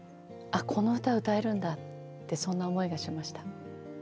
「あこの歌歌えるんだ」ってそんな思いがしました。